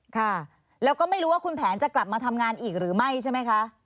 ค่ะแล้วก็ไม่รู้ว่าคุณแผนจะกลับมาทำงานอีกหรือไม่ใช่ไหมคะ